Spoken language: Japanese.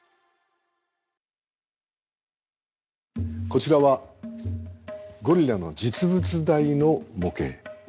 こちらはゴリラの実物大の模型。